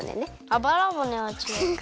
あばらぼねはちがう。